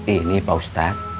ini pak ustadz